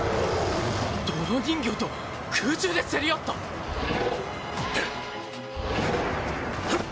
泥人形と空中で競り合った⁉くっ。